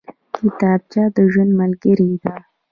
کتابچه د ژوند ملګرې ده